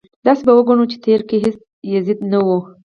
داسې به وګڼو چې په تېر کې هېڅ یزید نه و.